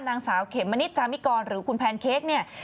นางสาวเขมมณิชจามิกรหรือคุณแพนเค้กเนี่ย